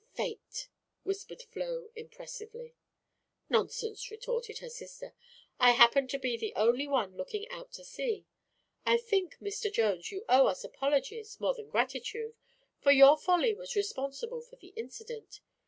"Fate!" whispered Flo impressively. "Nonsense," retorted her sister. "I happened to be the only one looking out to sea. I think, Mr. Jones, you owe us apologies more than gratitude, for your folly was responsible for the incident.